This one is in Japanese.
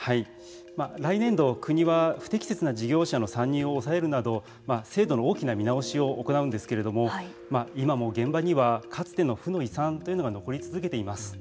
来年度、国は不適切な事業者の参入を抑えるなど制度の大きな見直しを行うんですけれども今も現場にはかつての負の遺産が残り続けています。